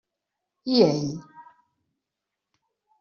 I ell?